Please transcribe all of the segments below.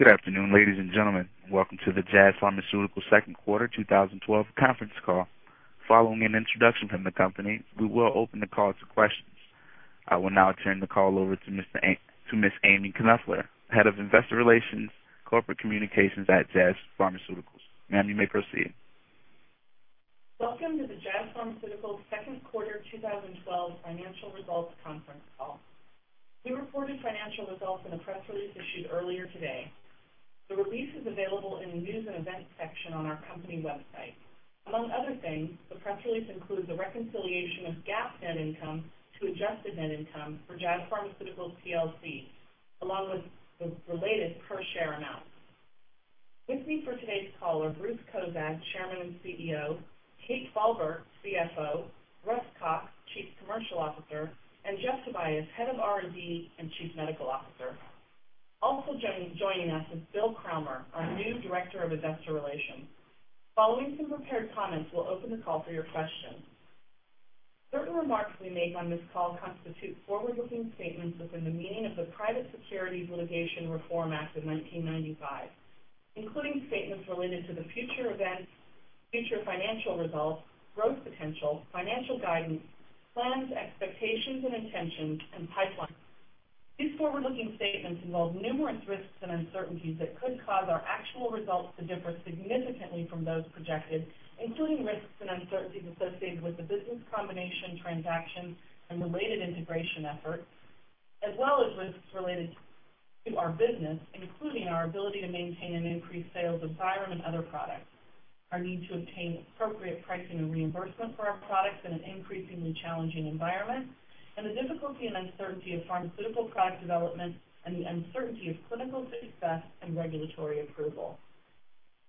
Good afternoon, ladies and gentlemen. Welcome to the Jazz Pharmaceuticals Q2 2012 conference call. Following an introduction from the company, we will open the call to questions. I will now turn the call over to Ms. Ami Knoefler, Head of Investor Relations, Corporate Communications at Jazz Pharmaceuticals. Ma'am, you may proceed. Welcome to the Jazz Pharmaceuticals Q2 2012 financial results conference call. We reported financial results in a press release issued earlier today. The release is available in the News & Events section on our company website. Among other things, the press release includes a reconciliation of GAAP net income to adjusted net income for Jazz Pharmaceuticals plc, along with the related per share amounts. With me for today's call are Bruce Cozadd, Chairman and CEO, Kathryn Falberg, CFO, Russell Cox, Chief Commercial Officer, and Jeffrey Tobias, Head of R&D and Chief Medical Officer. Also joining us is Jim Cramer, our new Director of Investor Relations. Following some prepared comments, we'll open the call for your questions. Certain remarks we make on this call constitute forward-looking statements within the meaning of the Private Securities Litigation Reform Act of 1995, including statements related to the future events, future financial results, growth potential, financial guidance, plans, expectations and intentions and pipeline. These forward-looking statements involve numerous risks and uncertainties that could cause our actual results to differ significantly from those projected, including risks and uncertainties associated with the business combination transaction and related integration efforts, as well as risks related to our business, including our ability to maintain and increase sales of Xyrem and other products, our need to obtain appropriate pricing and reimbursement for our products in an increasingly challenging environment, and the difficulty and uncertainty of pharmaceutical product development and the uncertainty of clinical success and regulatory approval.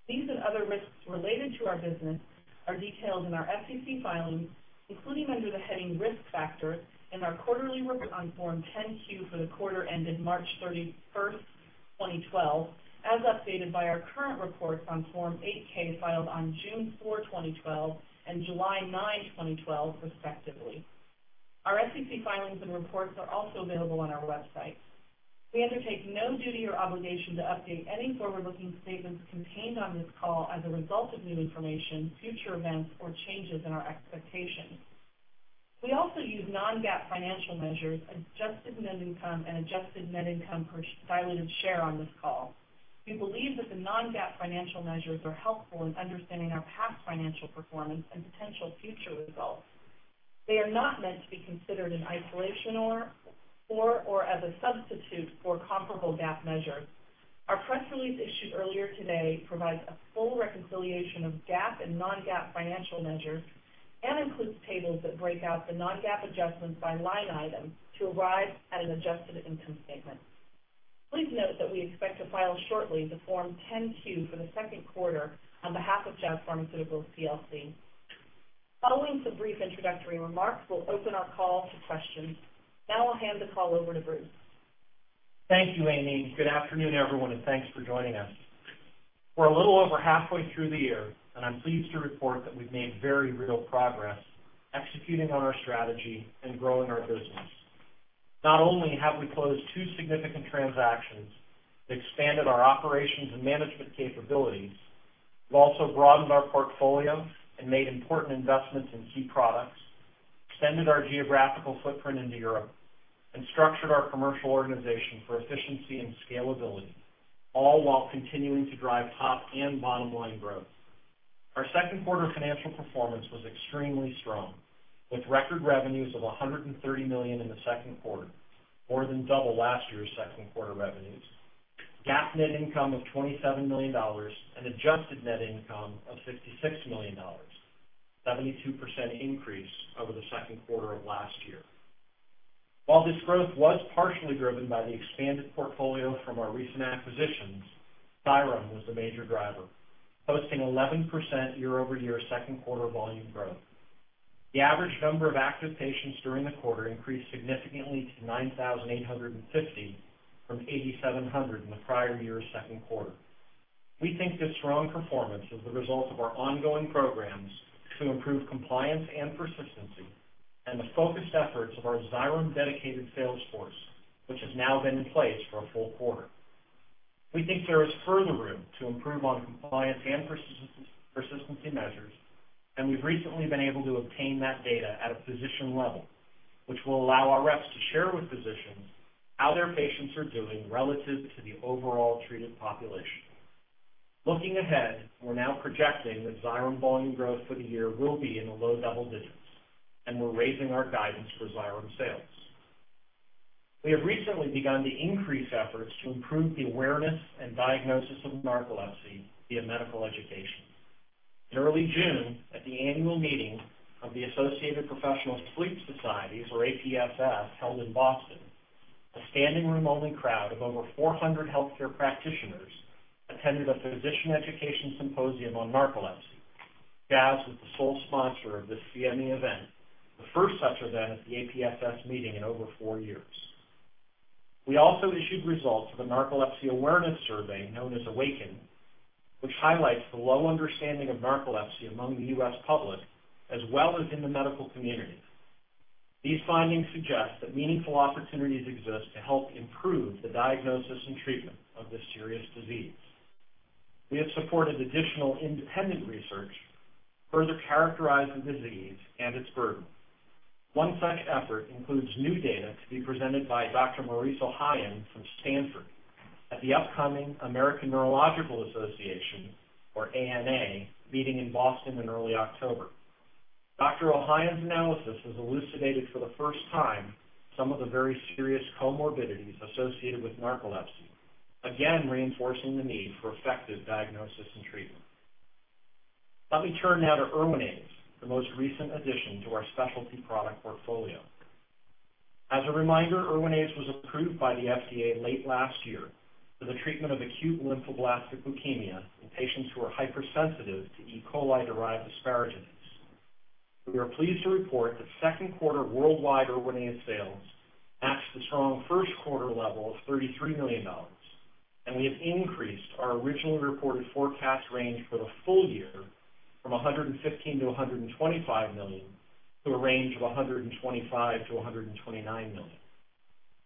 These and other risks related to our business are detailed in our SEC filings, including under the heading Risk Factors in our quarterly report on Form 10-Q for the quarter ended March 31, 2012, as updated by our current reports on Form 8-K filed on June 4, 2012 and July 9, 2012, respectively. Our SEC filings and reports are also available on our website. We undertake no duty or obligation to update any forward-looking statements contained on this call as a result of new information, future events, or changes in our expectations. We also use non-GAAP financial measures, adjusted net income and adjusted net income per diluted share on this call. We believe that the non-GAAP financial measures are helpful in understanding our past financial performance and potential future results. They are not meant to be considered in isolation or as a substitute for comparable GAAP measures. Our press release issued earlier today provides a full reconciliation of GAAP and non-GAAP financial measures and includes tables that break out the non-GAAP adjustments by line item to arrive at an adjusted income statement. Please note that we expect to file shortly the Form 10-Q for the Q2 on behalf of Jazz Pharmaceuticals plc. Following some brief introductory remarks, we'll open our call to questions. Now I'll hand the call over to Bruce. Thank you, Ami. Good afternoon, everyone, and thanks for joining us. We're a little over halfway through the year, and I'm pleased to report that we've made very real progress executing on our strategy and growing our business. Not only have we closed two significant transactions that expanded our operations and management capabilities, we've also broadened our portfolio and made important investments in key products, extended our geographical footprint into Europe, and structured our commercial organization for efficiency and scalability, all while continuing to drive top and bottom line growth. Our Q2 financial performance was extremely strong, with record revenues of $130 million in the Q2, more than double last year's Q2 revenues. GAAP net income of $27 million and adjusted net income of $56 million, 72% increase over the Q2 of last year. While this growth was partially driven by the expanded portfolio from our recent acquisitions, Xyrem was the major driver, posting 11% year-over-year Q2 volume growth. The average number of active patients during the quarter increased significantly to 9,850 from 8,700 in the prior year's Q2. We think this strong performance is the result of our ongoing programs to improve compliance and persistency and the focused efforts of our Xyrem dedicated sales force, which has now been in place for a full quarter. We think there is further room to improve on compliance and persistency measures, and we've recently been able to obtain that data at a physician level, which will allow our reps to share with physicians how their patients are doing relative to the overall treated population. Looking ahead, we're now projecting that Xyrem volume growth for the year will be in the low double digits, and we're raising our guidance for Xyrem sales. We have recently begun to increase efforts to improve the awareness and diagnosis of narcolepsy via medical education. In early June, at the annual meeting of the Associated Professional Sleep Societies, or APSS, held in Boston, a standing room only crowd of over 400 healthcare practitioners attended a physician education symposium on narcolepsy. Jazz was the sole sponsor of this CME event, the first such event at the APSS meeting in over four years. We also issued results of a narcolepsy awareness survey known as AWAKEN, which highlights the low understanding of narcolepsy among the US public as well as in the medical community. These findings suggest that meaningful opportunities exist to help improve the diagnosis and treatment of this serious disease. We have supported additional independent research to further characterize the disease and its burden. One such effort includes new data to be presented by Dr. Maurice Ohayon from Stanford at the upcoming American Neurological Association, or ANA, meeting in Boston in early October. Dr. Ohayon's analysis has elucidated for the first time some of the very serious comorbidities associated with narcolepsy, again reinforcing the need for effective diagnosis and treatment. Let me turn now to Erwinaze, the most recent addition to our specialty product portfolio. As a reminder, Erwinaze was approved by the FDA late last year for the treatment of acute lymphoblastic leukemia in patients who are hypersensitive to E. coli-derived asparaginase. We are pleased to report that Q2 worldwide Erwinaze sales matched the strong Q1 level of $33 million, and we have increased our originally reported forecast range for the full-year from $115 million-$125 million to a range of $125 million-$129 million.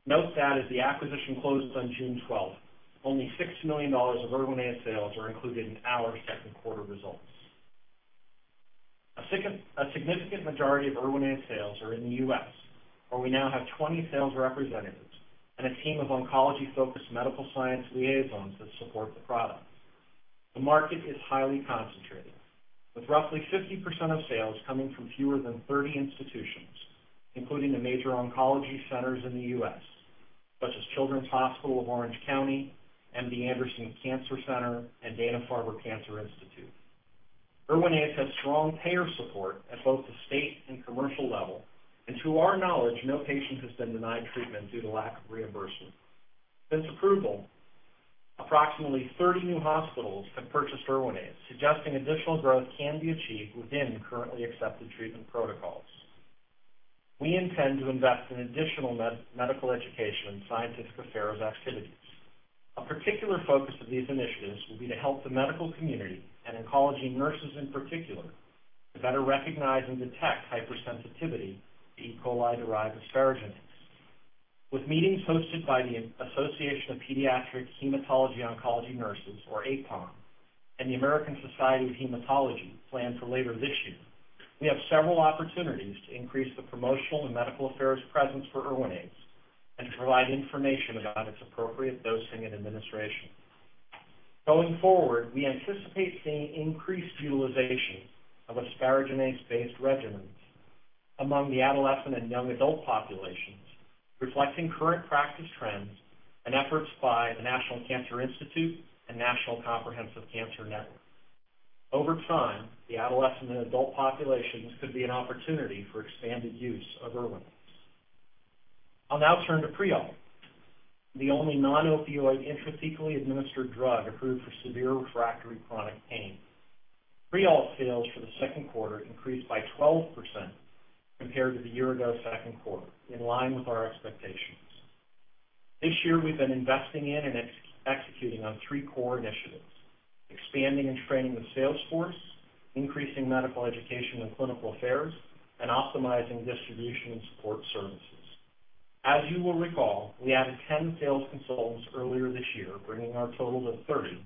Note that as the acquisition closed on June 12th, only $6 million of Erwinaze sales are included in our Q2 results. A significant majority of Erwinaze sales are in the US, where we now have 20 sales representatives and a team of oncology-focused medical science liaisons that support the product. The market is highly concentrated, with roughly 50% of sales coming from fewer than 30 institutions, including the major oncology centers in the US, such as Children's Hospital of Orange County, MD Anderson Cancer Center, and Dana-Farber Cancer Institute. Erwinaze has strong payer support at both the state and commercial level. To our knowledge, no patient has been denied treatment due to lack of reimbursement. Since approval, approximately 30 new hospitals have purchased Erwinaze, suggesting additional growth can be achieved within the currently accepted treatment protocols. We intend to invest in additional medical education and scientific affairs activities. A particular focus of these initiatives will be to help the medical community and oncology nurses in particular, to better recognize and detect hypersensitivity to E. coli-derived asparaginase. With meetings hosted by the Association of Pediatric Hematology/Oncology Nurses, or APHON, and the American Society of Hematology planned for later this year, we have several opportunities to increase the promotional and medical affairs presence for Erwinaze and to provide information about its appropriate dosing and administration. Going forward, we anticipate seeing increased utilization of asparaginase-based regimens among the adolescent and young adult populations, reflecting current practice trends and efforts by the National Cancer Institute and National Comprehensive Cancer Network. Over time, the adolescent and adult populations could be an opportunity for expanded use of Erwinaze. I'll now turn to Prialt, the only non-opioid intrathecally administered drug approved for severe refractory chronic pain. Prialt sales for the Q2 increased by 12% compared to the year-ago Q2, in line with our expectations. This year, we've been investing in and executing on three core initiatives, expanding and training the sales force, increasing medical education and clinical affairs, and optimizing distribution and support services. As you will recall, we added 10 sales consultants earlier this year, bringing our total to 30,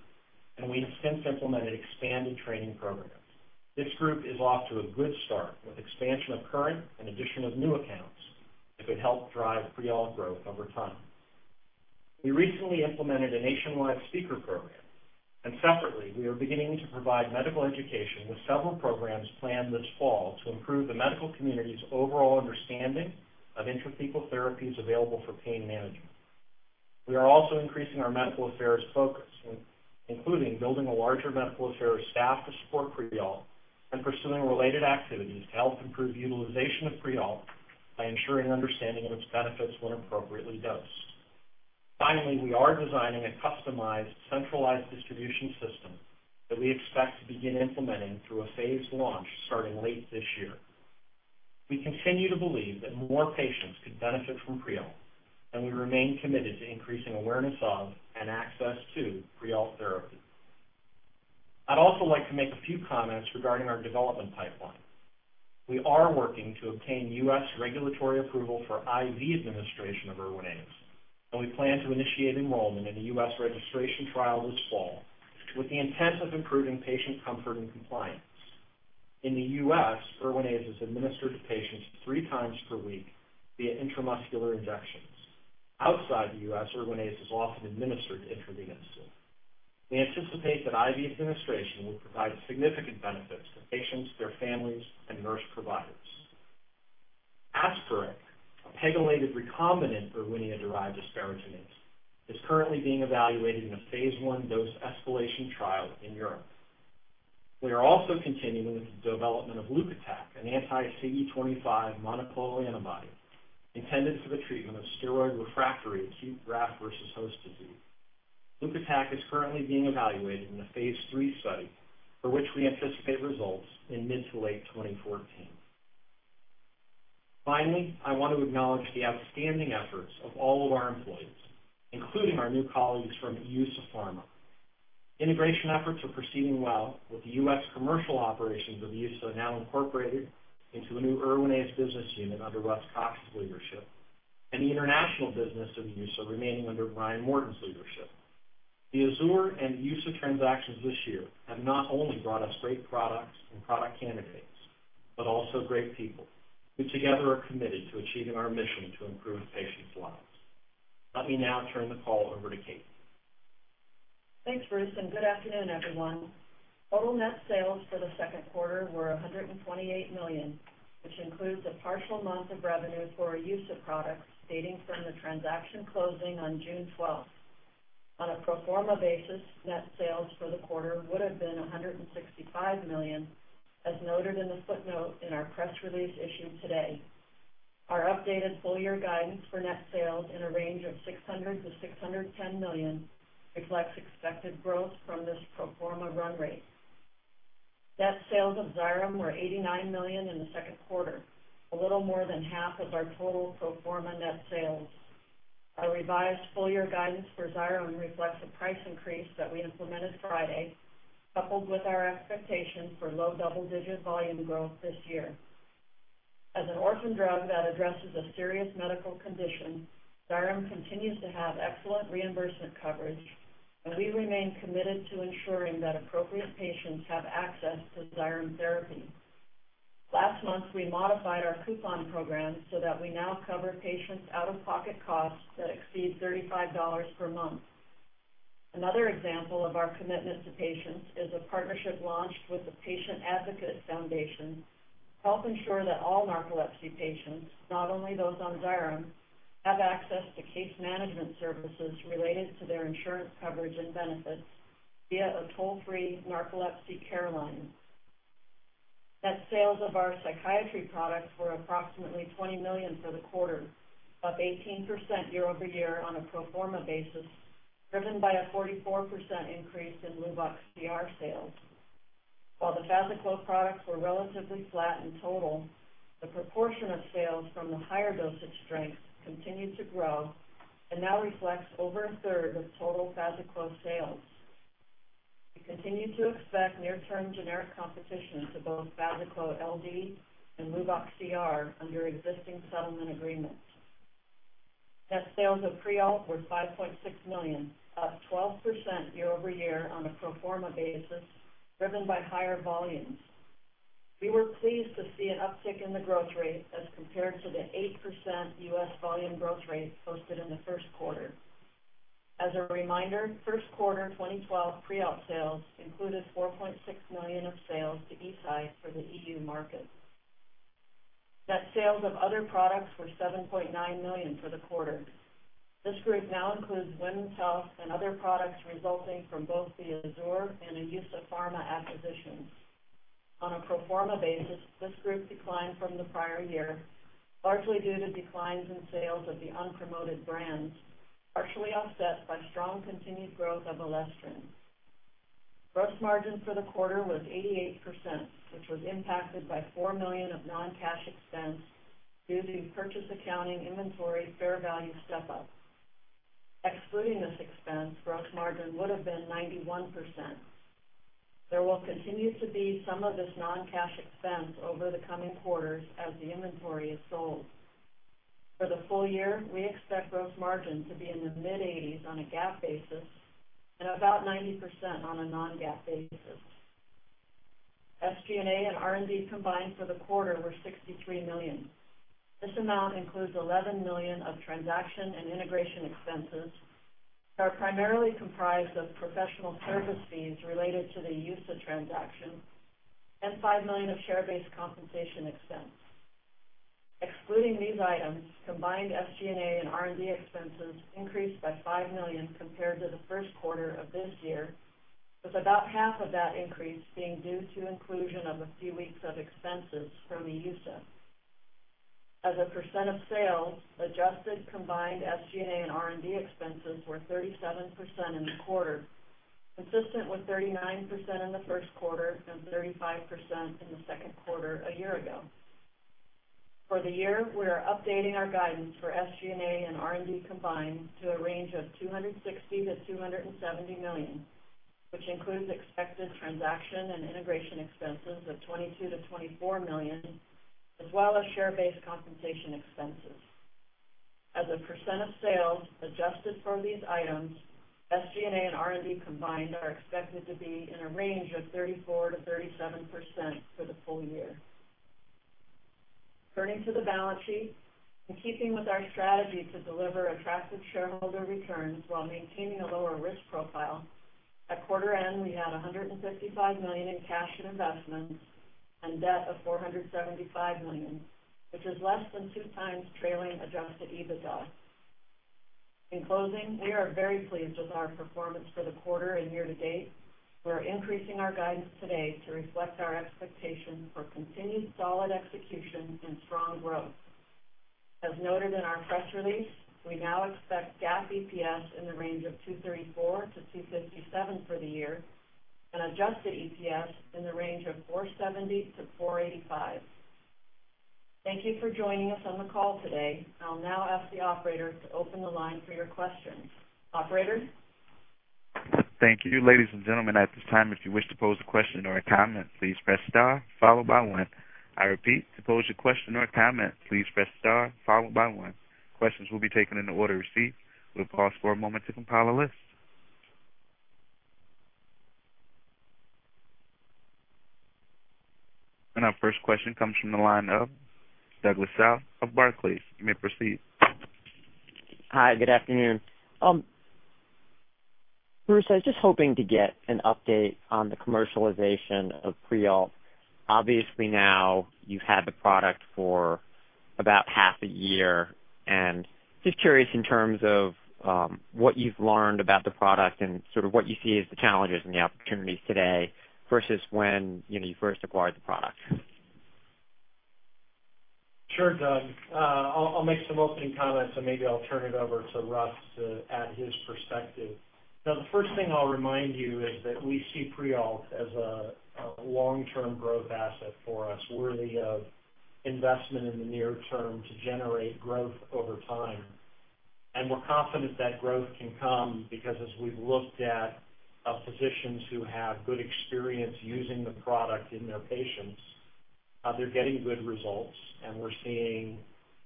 and we have since implemented expanded training programs. This group is off to a good start, with expansion of current and addition of new accounts that could help drive Prialt growth over time. We recently implemented a nationwide speaker program, and separately, we are beginning to provide medical education with several programs planned this fall to improve the medical community's overall understanding of intrathecal therapies available for pain management. We are also increasing our medical affairs focus, including building a larger medical affairs staff to support Preop and pursuing related activities to help improve utilization of Preop by ensuring understanding of its benefits when appropriately dosed. Finally, we are designing a customized, centralized distribution system that we expect to begin implementing through a phased launch starting late this year. We continue to believe that more patients could benefit from Preop, and we remain committed to increasing awareness of and access to Preop therapy. I'd also like to make a few comments regarding our development pipeline. We are working to obtain US regulatory approval for IV administration of Erwinaze, and we plan to initiate enrollment in the US registration trial this fall with the intent of improving patient comfort and compliance. In the US, Erwinaze is administered to patients three times per week via intramuscular injections. Outside the US, Erwinaze is often administered intravenously. We anticipate that IV administration will provide significant benefits to patients, their families, and nurse providers. Asparec, a pegylated recombinant Erwinia-derived asparaginase, is currently being evaluated in a phase 1 dose escalation trial in Europe. We are also continuing with the development of Leukotac, an anti-CD25 monoclonal antibody intended for the treatment of steroid-refractory acute graft-versus-host disease. Leukotac is currently being evaluated in a phase 3 study for which we anticipate results in mid- to late 2014. Finally, I want to acknowledge the outstanding efforts of all of our employees, including our new colleagues from EUSA Pharma. Integration efforts are proceeding well with the US commercial operations of EUSA now incorporated into a new Erwinaze business unit under Russ Cox's leadership and the international business of EUSA remaining under Bryan Morton's leadership. The Azur and EUSA transactions this year have not only brought us great products and product candidates, but also great people who together are committed to achieving our mission to improve patients' lives. Let me now turn the call over to Kathryn. Thanks, Bruce, and good afternoon, everyone. Total net sales for the Q2 were $128 million, which includes a partial month of revenue for our EUSA products dating from the transaction closing on June 12th. On a pro forma basis, net sales for the quarter would have been $165 million, as noted in the footnote in our press release issued today. Our updated full-year guidance for net sales in a range of $600 million-$610 million reflects expected growth from this pro forma run rate. Net sales of Xyrem were $89 million in the Q2, a little more than half of our total pro forma net sales. Our revised full-year guidance for Xyrem reflects a price increase that we implemented Friday, coupled with our expectation for low double-digit volume growth this year. As an orphan drug that addresses a serious medical condition, Xyrem continues to have excellent reimbursement coverage, and we remain committed to ensuring that appropriate patients have access to Xyrem therapy. Last month, we modified our coupon program so that we now cover patients' out-of-pocket costs that exceed $35 per month. Another example of our commitment to patients is a partnership launched with the Patient Advocate Foundation to help ensure that all narcolepsy patients, not only those on Xyrem, have access to case management services related to their insurance coverage and benefits via a toll-free narcolepsy care line. Net sales of our psychiatry products were approximately $20 million for the quarter, up 18% year-over-year on a pro forma basis, driven by a 44% increase in Luvox CR sales. While the FazaClo products were relatively flat in total, the proportion of sales from the higher dosage strength continued to grow and now reflects over a third of total FazaClo sales. We continue to expect near-term generic competition to both FazaClo LD and Luvox CR under existing settlement agreements. Net sales of Prialt were $5.6 million, up 12% year-over-year on a pro forma basis, driven by higher volumes. We were pleased to see an uptick in the growth rate as compared to the 8% US volume growth rate posted in the Q1. As a reminder, Q1 2012 Prialt sales included $4.6 million of sales to Eisai for the EU market. Net sales of other products were $7.9 million for the quarter. This group now includes Women's Health and other products resulting from both the Azur and EUSA Pharma acquisitions. On a pro forma basis, this group declined from the prior year, largely due to declines in sales of the unpromoted brands, partially offset by strong continued growth of Elestrin. Gross margin for the quarter was 88%, which was impacted by $4 million of non-cash expense due to purchase accounting inventory fair value step-up. Excluding this expense, gross margin would have been 91%. There will continue to be some of this non-cash expense over the coming quarters as the inventory is sold. For the full-year, we expect gross margin to be in the mid-80s % on a GAAP basis and about 90% on a non-GAAP basis. SG&A and R&D combined for the quarter were $63 million. This amount includes $11 million of transaction and integration expenses that are primarily comprised of professional service fees related to the EUSA transaction and $5 million of share-based compensation expense. Excluding these items, combined SG&A and R&D expenses increased by $5 million compared to the Q1 of this year, with about half of that increase being due to inclusion of a few weeks of expenses from EUSA. As a percent of sales, adjusted combined SG&A and R&D expenses were 37% in the quarter, consistent with 39% in the Q1 and 35% in the Q2 a year ago. For the year, we are updating our guidance for SG&A and R&D combined to a range of $260 million-$270 million, which includes expected transaction and integration expenses of $22 million-$24 million, as well as share-based compensation expenses. As a percent of sales adjusted for these items, SG&A and R&D combined are expected to be in a range of 34%-37% for the full-year. Turning to the balance sheet, in keeping with our strategy to deliver attractive shareholder returns while maintaining a lower risk profile, at quarter end, we had $155 million in cash and investments and debt of $475 million, which is less than 2x trailing adjusted EBITDA. In closing, we are very pleased with our performance for the quarter and year to date. We are increasing our guidance today to reflect our expectation for continued solid execution and strong growth. As noted in our press release, we now expect GAAP EPS in the range of $2.34-$2.57 for the year and adjusted EPS in the range of $4.70-$4.85. Thank you for joining us on the call today. I'll now ask the operator to open the line for your questions. Operator? Thank you. Ladies and gentlemen, at this time, if you wish to pose a question or a comment, please press star followed by one. I repeat, to pose your question or comment, please press star followed by one. Questions will be taken in the order received. We'll pause for a moment to compile a list. Our first question comes from the line of Douglas Tsao of Barclays. You may proceed. Hi, good afternoon. Bruce, I was just hoping to get an update on the commercialization of Prialt. Obviously, now you've had the product for about half a year. Just curious in terms of what you've learned about the product and what you see as the challenges and the opportunities today versus when, you know, you first acquired the product? Sure, Doug. I'll make some opening comments and maybe I'll turn it over to Russ to add his perspective. Now, the first thing I'll remind you is that we see Prialt as a long-term growth asset for us, worthy of investment in the near term to generate growth over time. We're confident that growth can come because as we've looked at physicians who have good experience using the product in their patients, they're getting good results, and we're seeing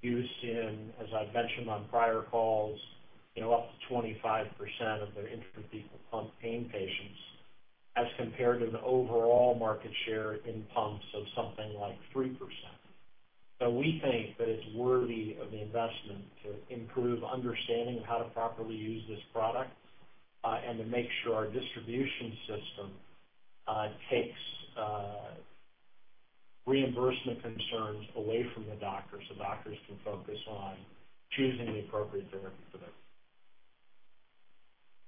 use in, as I've mentioned on prior calls, you know, up to 25% of their intrathecal pump pain patients as compared to the overall market share in pumps of something like 3%. We think that it's worthy of the investment to improve understanding of how to properly use this product, and to make sure our distribution system takes reimbursement concerns away from the doctors so doctors can focus on choosing the appropriate therapy for them.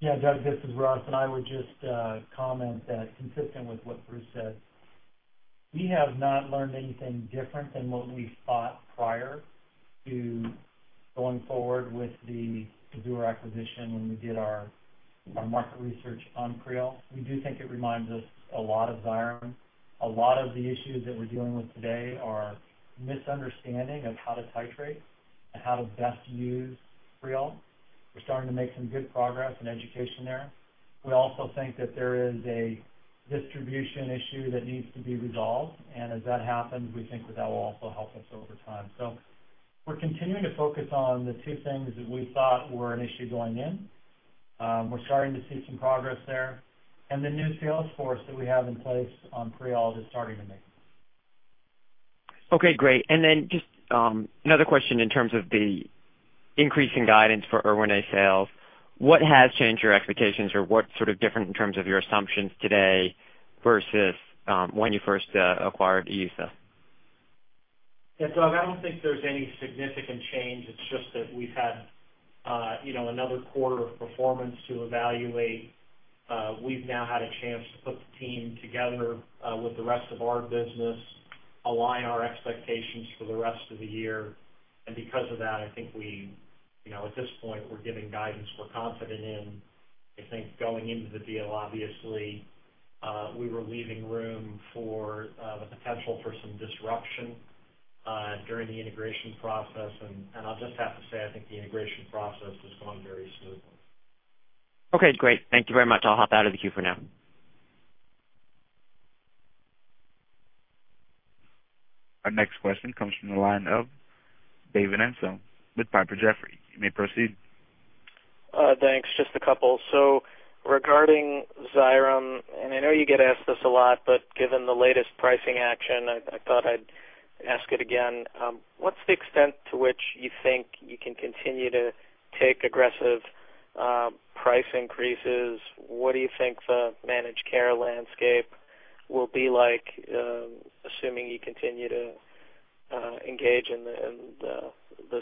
Yeah. Doug, this is Russ, and I would just comment that consistent with what Bruce said, we have not learned anything different than what we thought prior to going forward with the Azur acquisition when we did our market research on Prialt. We do think it reminds us a lot of Xyrem. A lot of the issues that we're dealing with today are misunderstanding of how to titrate and how to best use Prialt. We're starting to make some good progress in education there. We also think that there is a distribution issue that needs to be resolved. And as that happens, we think that that will also help us over time. We're continuing to focus on the two things that we thought were an issue going in. We're starting to see some progress there. The new sales force that we have in place on Prialt is starting to make. Okay, great. Just another question in terms of the increase in guidance for Erwinaze sales. What has changed your expectations or what different in terms of your assumptions today versus when you first acquired EUSA? Yeah. Doug, I don't think there's any significant change. It's just that we've had, you know, another quarter of performance to evaluate. We've now had a chance to put the team together, with the rest of our business, align our expectations for the rest of the year. Because of that, I think we, you know, at this point, we're giving guidance we're confident in. I think going into the deal, obviously, we were leaving room for, the potential for some disruption, during the integration process. I'll just have to say, I think the integration process has gone very smoothly. Okay, great. Thank you very much. I'll hop out of the queue for now. Our next question comes from the line of David Amsellem with Piper Jaffray. You may proceed. Thanks. Just a couple. Regarding Xyrem, and I know you get asked this a lot, but given the latest pricing action, I thought I'd ask it again. What's the extent to which you think you can continue to take aggressive price increases? What do you think the managed care landscape will be like, assuming you continue to engage in the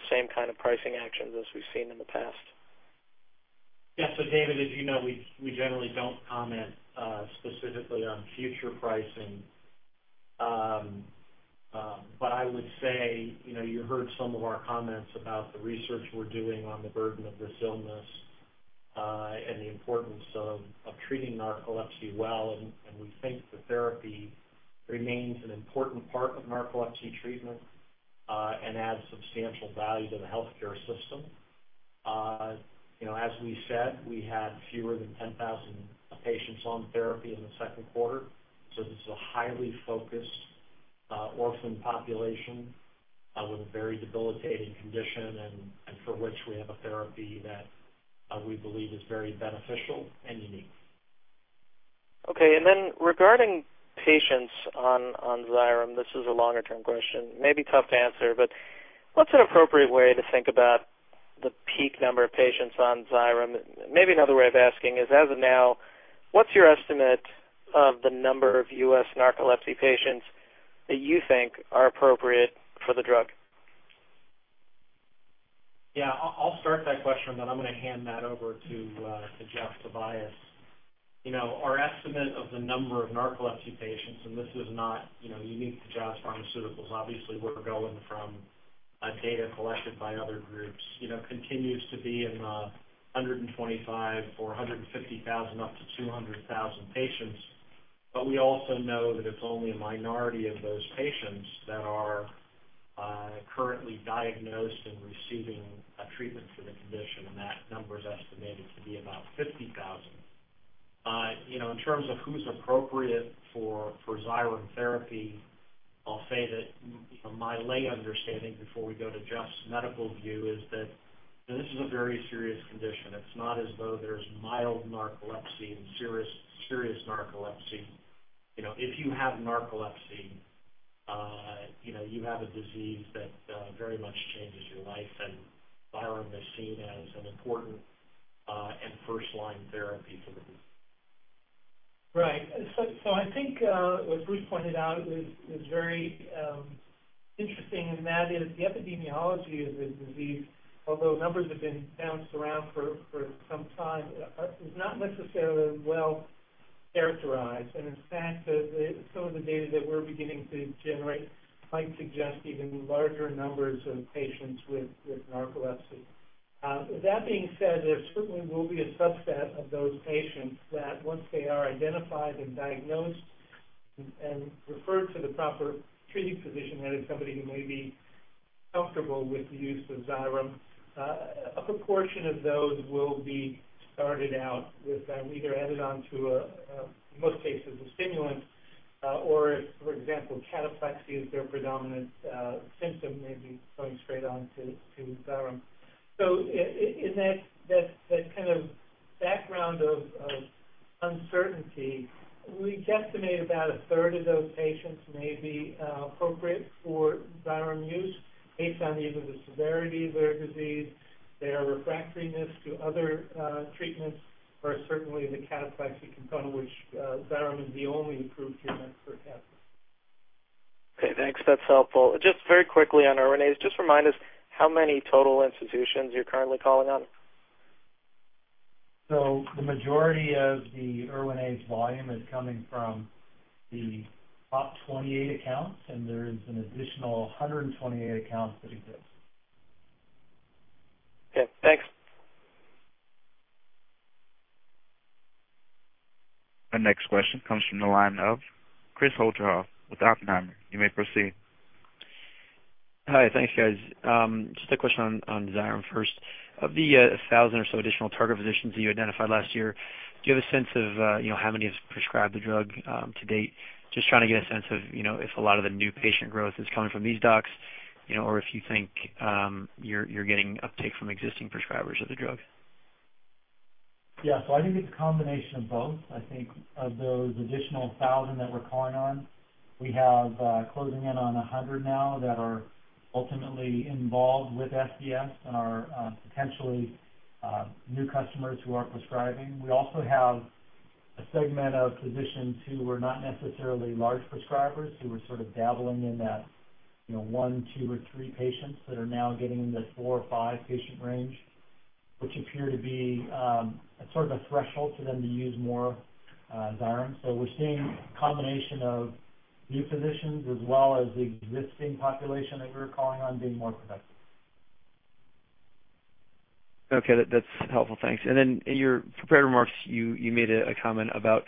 same kind of pricing actions as we've seen in the past? Yeah. David, as you know, we generally don't comment specifically on future pricing. I would say, you know, you heard some of our comments about the research we're doing on the burden of this illness and the importance of treating narcolepsy well. We think the therapy remains an important part of narcolepsy treatment and adds substantial value to the healthcare system. You know, as we said, we had fewer than 10,000 patients on therapy in the Q2. This is a highly focused orphan population with a very debilitating condition and for which we have a therapy that we believe is very beneficial and unique. Okay. Regarding patients on Xyrem, this is a longer-term question, maybe tough to answer, but what's an appropriate way to think about the peak number of patients on Xyrem? Maybe another way of asking is, as of now, what's your estimate of the number of US narcolepsy patients that you think are appropriate for the drug? Yeah. I'll start that question, then I'm gonna hand that over to Jeffrey Tobias. You know, our estimate of the number of narcolepsy patients, and this is not, you know, unique to Jazz Pharmaceuticals. Obviously, we're going from a data collected by other groups, you know, continues to be in the 125 or 150,000, up to 200,000 patients. But we also know that it's only a minority of those patients that are currently diagnosed and receiving a treatment for the condition, and that number is estimated to be about 50,000. You know, in terms of who's appropriate for Xyrem therapy, I'll say that, you know, my lay understanding before we go to Jeff's medical view is that this is a very serious condition. It's not as though there's mild narcolepsy and serious narcolepsy. You know, if you have narcolepsy, you know, you have a disease that very much changes your life. Xyrem is seen as an important and first-line therapy for the disease. Right. I think what Bruce pointed out is very interesting, and that is the epidemiology of this disease, although numbers have been bounced around for some time, is not necessarily well characterized. In fact, some of the data that we're beginning to generate might suggest even larger numbers of patients with narcolepsy. That being said, there certainly will be a subset of those patients that once they are identified and diagnosed and referred to the proper treating physician, that is somebody who may be comfortable with the use of Xyrem, a proportion of those will be started out with them, either added onto a stimulant in most cases, or for example, cataplexy is their predominant symptom may be going straight on to Xyrem. In that kind of background of uncertainty, we guesstimate about a third of those patients may be appropriate for Xyrem use based on either the severity of their disease, their refractoriness to other treatments, or certainly the cataplexy component, which Xyrem is the only approved treatment for cataplexy. Okay, thanks. That's helpful. Just very quickly on Erwinaze. Just remind us how many total institutions you're currently calling on. The majority of the Erwinaze volume is coming from the top 28 accounts, and there is an additional 128 accounts that exist. Okay, thanks. Our next question comes from the line of Chris Holterhoff with Oppenheimer. You may proceed. Hi. Thanks, guys. Just a question on Xyrem first. Of the 1,000 or so additional target physicians that you identified last year, do you have a sense of you know, how many have prescribed the drug to date? Just trying to get a sense of you know, if a lot of the new patient growth is coming from these docs you know, or if you think you're getting uptake from existing prescribers of the drug. Yeah. I think it's a combination of both. I think of those additional 1,000 that we're calling on, we have, closing in on 100 now that are ultimately involved with SBS and are, potentially, new customers who are prescribing. We also have a segment of physicians who were not necessarily large prescribers, who were dabbling in that, you know, 1, 2 or 3 patients that are now getting into 4 or 5 patient range, which appear to be, a threshold for them to use more, Xyrem. We're seeing a combination of new physicians as well as the existing population that we were calling on being more productive. Okay, that's helpful. Thanks. In your prepared remarks, you made a comment about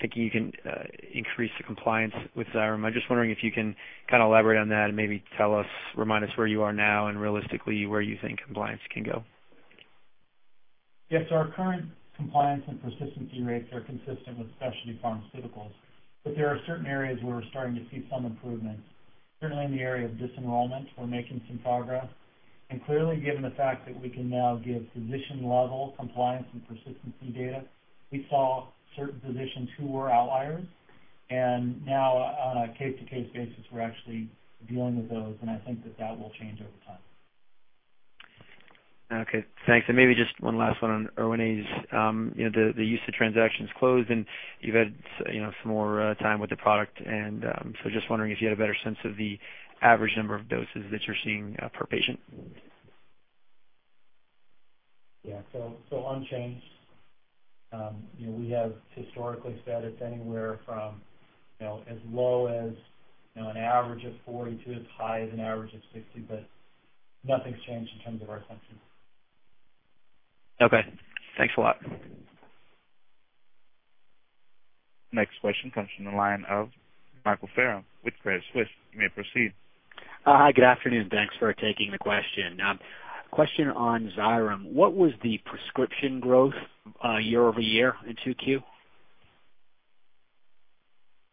thinking you can increase the compliance with Xyrem. I'm just wondering if you can kind of elaborate on that and maybe tell us, remind us where you are now and realistically where you think compliance can go? Yes. Our current compliance and persistency rates are consistent with specialty pharmaceuticals, but there are certain areas where we're starting to see some improvement. Certainly in the area of disenrollment, we're making some progress. Clearly, given the fact that we can now give physician-level compliance and persistency data, we saw certain physicians who were outliers. Now on a case-to-case basis, we're actually dealing with those. I think that will change over time. Okay, thanks. Maybe just one last one on Erwinaze. The EUSA transaction closed and you've had some more time with the product, so just wondering if you had a better sense of the average number of doses that you're seeing per patient. Yeah. Unchanged. You know, we have historically said it's anywhere from, you know, as low as, you know, an average of 40 to as high as an average of 60, but nothing's changed in terms of our assumptions. Okay. Thanks a lot. Next question comes from the line of Michael Faerm with Credit Suisse. You may proceed. Hi, good afternoon. Thanks for taking the question. Question on Xyrem. What was the prescription growth, year-over-year in 2Q?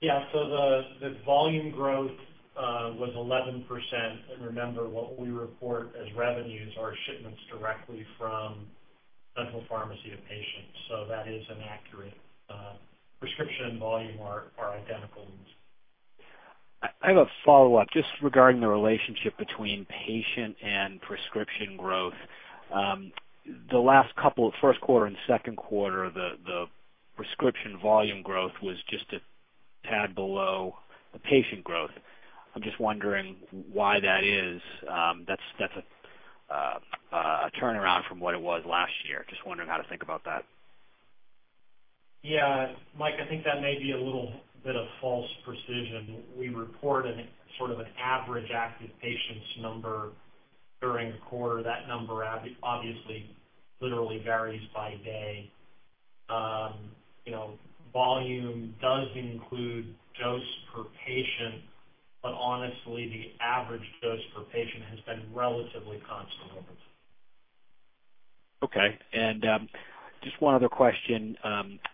The volume growth was 11%. Remember, what we report as revenues are shipments directly from central pharmacy to patients. That is an accurate prescription volume are identical. I have a follow-up just regarding the relationship between patient and prescription growth. The last couple of Q1 and Q2, the prescription volume growth was just a tad below the patient growth. I'm just wondering why that is. That's a turnaround from what it was last year. Just wondering how to think about that. Yeah, Mike, I think that may be a little bit of false precision. We report a an average active patients number during the quarter. That number obviously literally varies by day. You know, volume does include dose per patient, but honestly, the average dose per patient has been relatively constant over time. Okay. Just one other question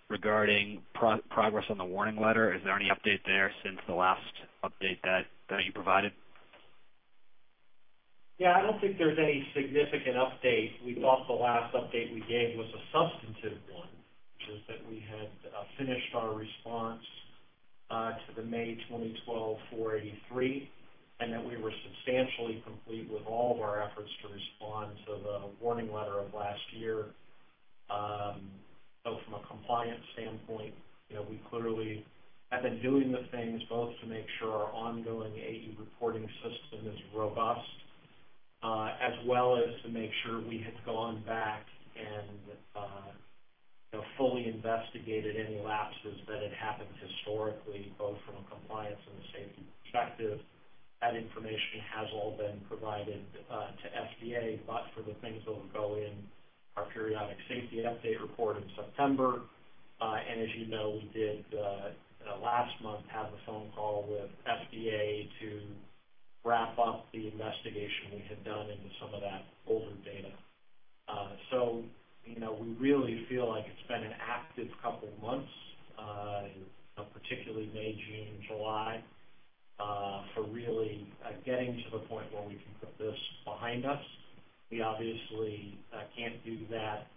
regarding progress on the warning letter. Is there any update there since the last update that you provided? Yeah, I don't think there's any significant update. We thought the last update we gave was a substantive one, which was that we had finished our response to the May 2012 Form 483, and that we were substantially complete with all of our efforts to respond to the warning letter of last year. From a compliance standpoint, you know, we clearly have been doing the things both to make sure our ongoing AE reporting system is robust, as well as to make sure we had gone back and, you know, fully investigated any lapses that had happened historically, both from a compliance and a safety perspective. That information has all been provided to the FDA, but for the things that will go in our periodic safety update report in September. As you know, we did, you know, last month have a phone call with the FDA to wrap up the investigation we had done into some of that older data. You know, we really feel like it's been an active couple months, you know, particularly May, June, July, for really getting to the point where we can put this behind us. We obviously can't do that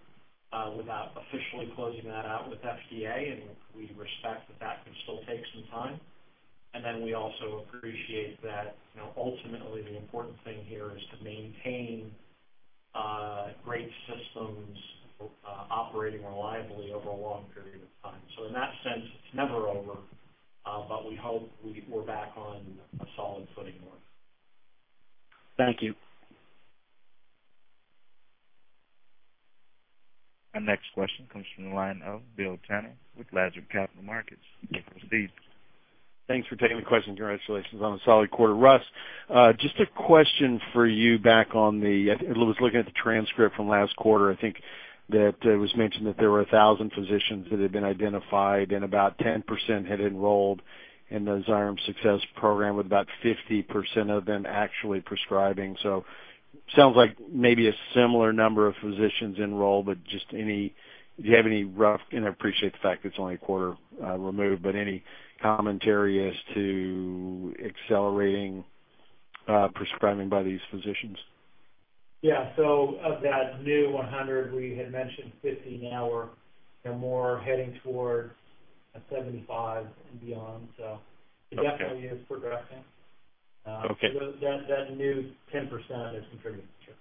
without officially closing that out with the FDA, and we respect that that could still take some time. Then we also appreciate that, you know, ultimately the important thing here is to maintain great systems operating reliably over a long period of time. In that sense, it's never over, but we hope we're back on a solid footing now. Thank you. Our next question comes from the line of William Tanner with Lazard Capital Markets. You can proceed. Thanks for taking the question. Congratulations on a solid quarter. Russ, just a question for you. I was looking at the transcript from last quarter. I think that it was mentioned that there were 1,000 physicians that had been identified and about 10% had enrolled in the Xyrem Success Program, with about 50% of them actually prescribing. Sounds like maybe a similar number of physicians enrolled, but just any, do you have any rough, and I appreciate the fact it's only a quarter removed, but any commentary as to accelerating prescribing by these physicians? Yeah. Of that new 100, we had mentioned 50. Now we're, you know, more heading towards 75 and beyond. It definitely is progressing. Okay. That new 10% is contributing for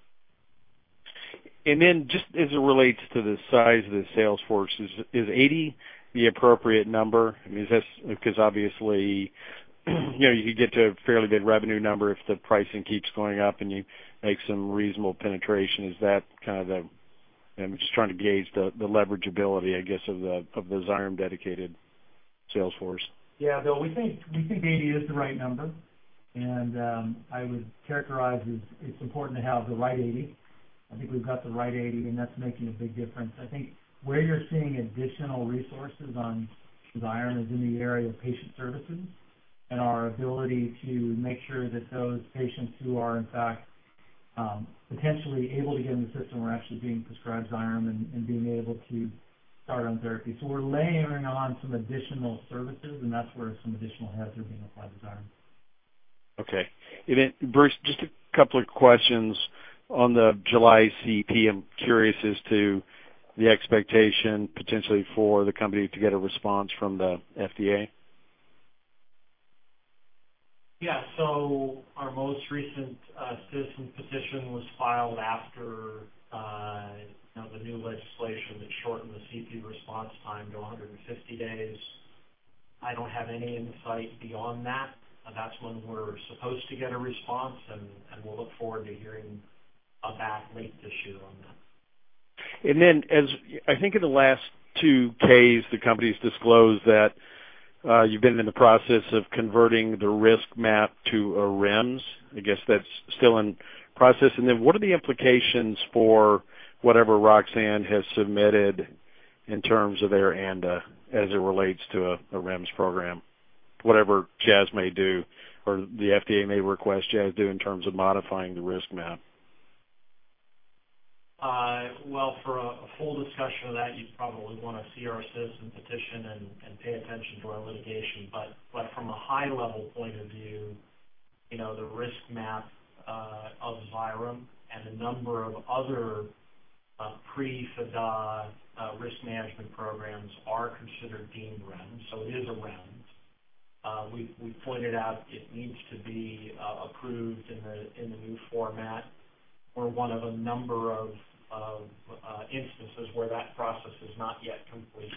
sure. Just as it relates to the size of the sales force, is 80 the appropriate number? I mean, is this because obviously, you know, you could get to a fairly good revenue number if the pricing keeps going up and you make some reasonable penetration. I'm just trying to gauge the leverageability, I guess, of the Xyrem dedicated sales force. Yeah. Bill, we think 80 is the right number. I would characterize as it's important to have the right 80. I think we've got the right 80, and that's making a big difference. I think where you're seeing additional resources on Xyrem is in the area of patient services and our ability to make sure that those patients who are, in fact, potentially able to get in the system are actually being prescribed Xyrem and being able to start on therapy. We're layering on some additional services, and that's where some additional heads are being applied to Xyrem. Okay. Bruce, just a couple of questions on the July CEP. I'm curious as to the expectation potentially for the company to get a response from the FDA. Our most recent citizen petition was filed after you know the new legislation that shortened the CP response time to 150 days. I don't have any insight beyond that. That's when we're supposed to get a response, and we'll look forward to hearing about late this year on that. Then as I think in the last two 8-K's, the company's disclosed that you've been in the process of converting the riskMAP to a REMS. I guess that's still in process. What are the implications for whatever Roxane has submitted in terms of their ANDA as it relates to a REMS program, whatever Jazz may do or the FDA may request Jazz do in terms of modifying the riskMAP? Well, for a full discussion of that, you'd probably wanna see our citizen petition and pay attention to our litigation. From a high-level point of view, you know, the RiskMAP of Xyrem and a number of other pre-FDAAA risk management programs are considered deemed REMS. It is a REMS. We've pointed out it needs to be approved in the new format. We're one of a number of instances where that process is not yet complete.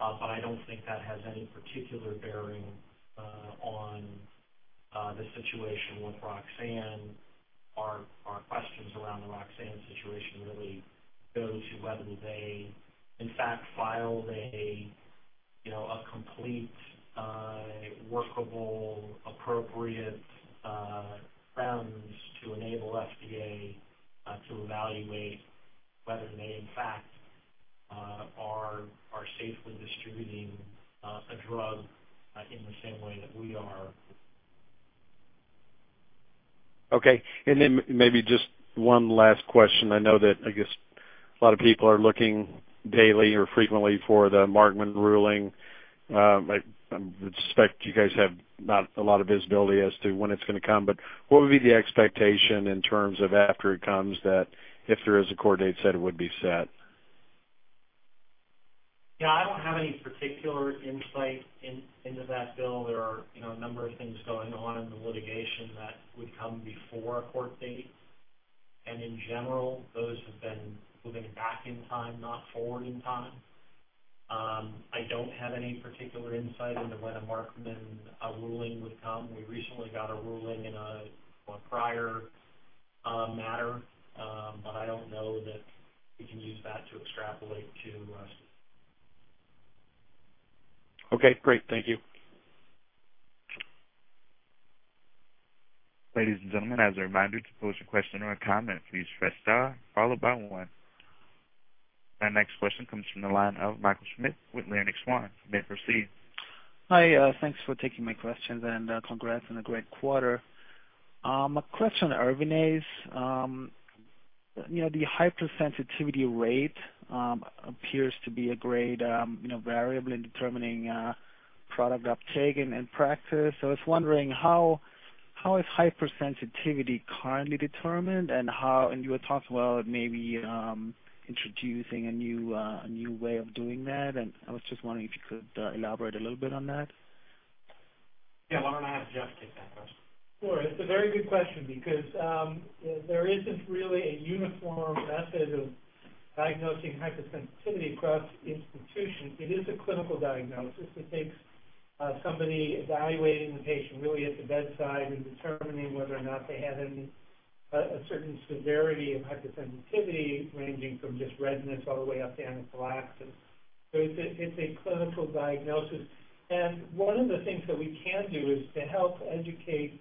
I don't think that has any particular bearing on the situation with Roxane. Our questions around the Roxane situation really goes to whether they, in fact, filed a, you know, a complete, workable, appropriate grounds to enable the FDA to evaluate whether they, in fact, are safely distributing a drug in the same way that we are. Okay. Maybe just one last question. I know that I guess a lot of people are looking daily or frequently for the Markman ruling. I would suspect you guys have not a lot of visibility as to when it's gonna come, but what would be the expectation in terms of after it comes that if there is a court date set, it would be set? Yeah, I don't have any particular insight into that, Bill. There are, you know, a number of things going on in the litigation that would come before a court date. In general, those have been moving back in time, not forward in time. I don't have any particular insight into when a Markman ruling would come. We recently got a ruling in a prior matter. I don't know that we can use that to extrapolate to. Okay, great. Thank you. Ladies and gentlemen, as a reminder, to pose a question or a comment, please press star followed by one. Our next question comes from the line of Michael Schmidt with Leerink Swann. You may proceed. Hi, thanks for taking my questions, and congrats on a great quarter. A question on Erwinaze. You know, the hypersensitivity rate appears to be a great, you know, variable in determining product uptake and practice. I was wondering how is hypersensitivity currently determined? You had talked about maybe introducing a new way of doing that. I was just wondering if you could elaborate a little bit on that. Yeah. Why don't I have Jeff take that question? Sure. It's a very good question because there isn't really a uniform method of diagnosing hypersensitivity across institutions. It is a clinical diagnosis. It takes somebody evaluating the patient really at the bedside and determining whether or not they have a certain severity of hypersensitivity, ranging from just redness all the way up to anaphylaxis. It's a clinical diagnosis. One of the things that we can do is to help educate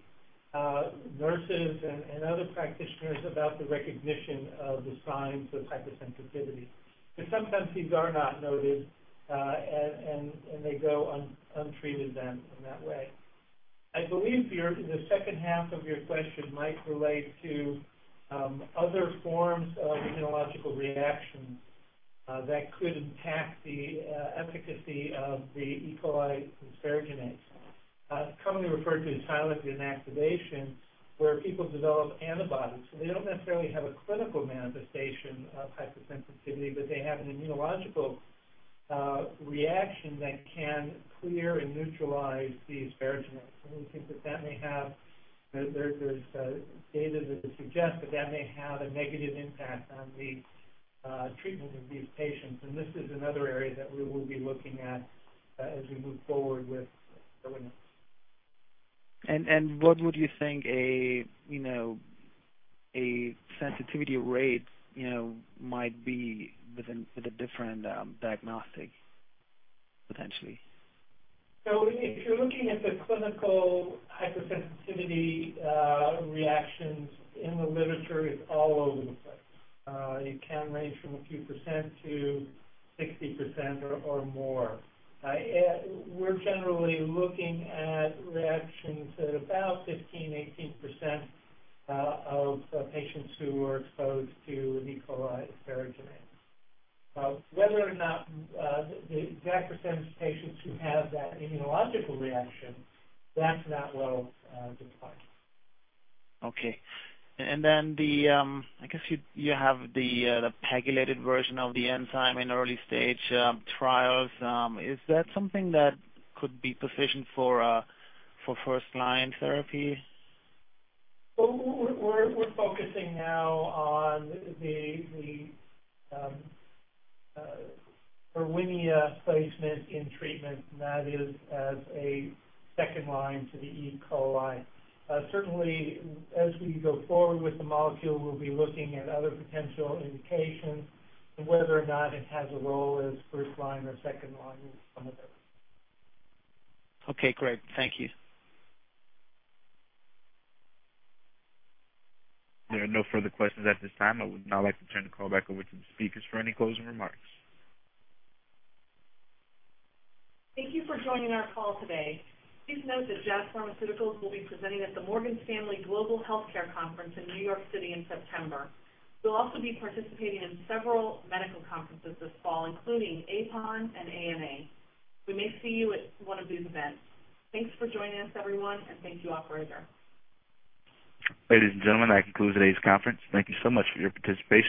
nurses and other practitioners about the recognition of the signs of hypersensitivity. Sometimes these are not noted and they go untreated in that way. I believe the second half of your question might relate to other forms of immunological reactions that could impact the efficacy of the E. coli asparaginase. It's commonly referred to as silent inactivation, where people develop antibodies. They don't necessarily have a clinical manifestation of hypersensitivity, but they have an immunological reaction that can clear and neutralize the asparaginase. We think that may have. There's data that would suggest that may have a negative impact on the treatment of these patients. This is another area that we will be looking at as we move forward with Erwinaze. What would you think, you know, a sensitivity rate, you know, might be with a different diagnostic potentially? If you're looking at the clinical hypersensitivity reactions in the literature, it's all over the place. It can range from a few percent to 60% or more. We're generally looking at reactions at about 15%-18% of patients who are exposed to E. coli asparaginase. Whether or not the exact percentage of patients who have that immunological reaction, that's not well defined. Okay. I guess you have the pegylated version of the enzyme in early-stage trials. Is that something that could be positioned for first-line therapy? We're focusing now on the Erwinia placement in treatment, and that is as a second line to the E. coli. Certainly as we go forward with the molecule, we'll be looking at other potential indications and whether or not it has a role as first-line or second line in some of those. Okay, great. Thank you. There are no further questions at this time. I would now like to turn the call back over to the speakers for any closing remarks. Thank you for joining our call today. Please note that Jazz Pharmaceuticals will be presenting at the Morgan Stanley Global Healthcare Conference in New York City in September. We'll also be participating in several medical conferences this fall, including APHON and ASH. We may see you at one of these events. Thanks for joining us, everyone, and thank you, operator. Ladies and gentlemen, that concludes today's conference. Thank you so much for your participation.